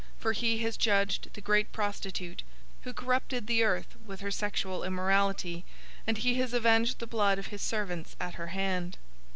For he has judged the great prostitute, who corrupted the earth with her sexual immorality, and he has avenged the blood of his servants at her hand."